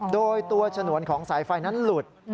โดยตัวฉนวนของสายไฟนั้นหลุด